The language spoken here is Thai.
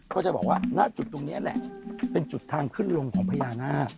เขาจะบอกว่าณจุดตรงนี้เนี่ยเป็นจุดทางขึ้นลงของพญานาค